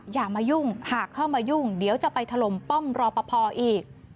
อย่ามายุ่งหากเข้ามายุ่งเดี๋ยวจะไปถล่มป้อมรอปภอีก